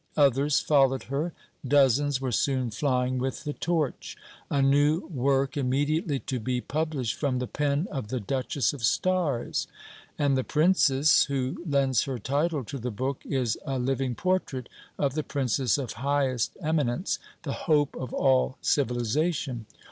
Others followed her. Dozens were soon flying with the torch: a new work immediately to be published from the pen of the Duchess of Stars! And the Princess who lends her title to the book is a living portrait of the Princess of Highest Eminence, the Hope of all Civilization.